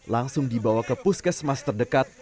langsung dibawa ke puskesmas terdekat